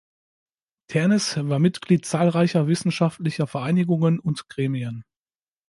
Ternes war Mitglied zahlreicher wissenschaftlicher Vereinigungen und Gremien.